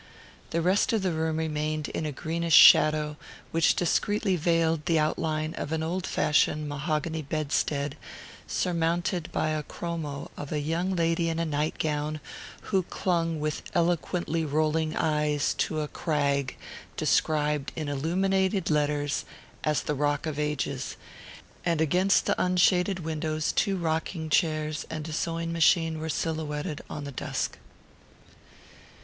The rest of the room remained in a greenish shadow which discreetly veiled the outline of an old fashioned mahogany bedstead surmounted by a chromo of a young lady in a night gown who clung with eloquently rolling eyes to a crag described in illuminated letters as the Rock of Ages; and against the unshaded windows two rocking chairs and a sewing machine were silhouetted on the dusk.